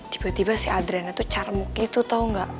tiba tiba si adriana tuh carmuk gitu tau nggak